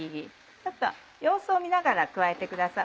ちょっと様子を見ながら加えてください。